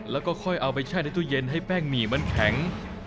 แล้วก็ค่อยเอาไปแช่ในตู้เย็นให้แป้งหมี่มันแข็ง